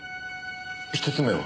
１つ目は？